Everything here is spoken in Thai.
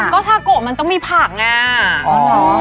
ก็ทะโกมันต้องมีผักนะคะ